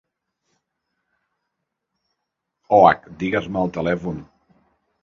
OAC, digues-me el telèfon.